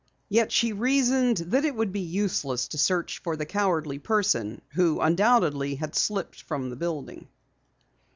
Yet she reasoned that it would be useless to search for the cowardly person who undoubtedly had slipped from the building.